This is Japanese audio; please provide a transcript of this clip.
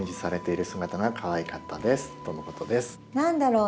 何だろう？